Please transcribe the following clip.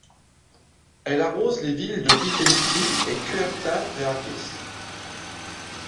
Elle arrose les villes de Pitești et Curtea de Argeș.